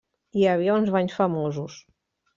Hi havia uns banys famosos.